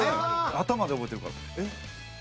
頭で覚えてるからえっ？